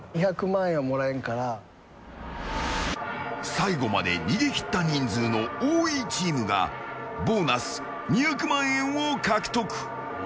最後まで逃げ切った人数の多いチームがボーナス２００万円を獲得。